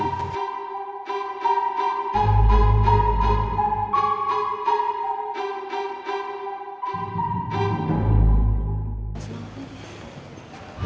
pernah ga percaya